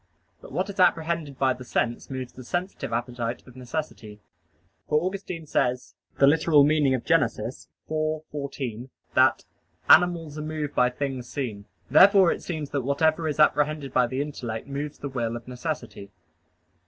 But what is apprehended by the sense moves the sensitive appetite of necessity: for Augustine says (Gen. ad lit. ix, 14) that "animals are moved by things seen." Therefore it seems that whatever is apprehended by the intellect moves the will of necessity.